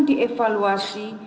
sekitar teluk dua puluh dua menit